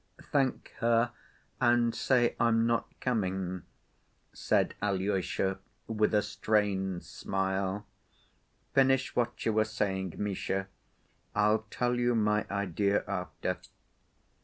"Thank her and say I'm not coming," said Alyosha, with a strained smile. "Finish what you were saying, Misha. I'll tell you my idea after."